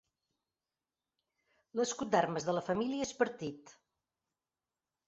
L'escut d'armes de la família és partit.